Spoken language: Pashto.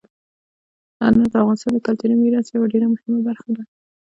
انار د افغانستان د کلتوري میراث یوه ډېره مهمه برخه ده.